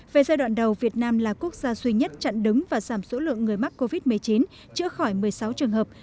về giai đoạn đầu việt nam là quốc gia duy nhất chặn đứng và giảm số lượng người mắc covid một mươi chín chữa khỏi một mươi sáu trường hợp